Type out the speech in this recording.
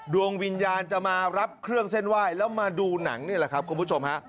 ดวงวิญญาณจะมารับเครื่องเส้นไหว้แล้วมาดูหนังนี่แหละครับคุณผู้ชมฮะ